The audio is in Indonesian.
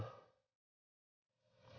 orang baik pun